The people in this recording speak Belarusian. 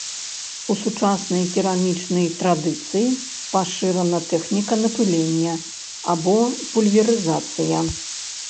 У сучаснай керамічнай традыцыі пашырана тэхніка напылення, або пульверызацыя.